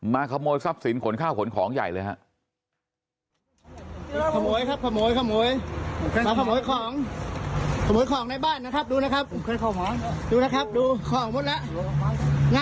ขโมยทรัพย์สินขนข้าวขนของใหญ่เลยครับ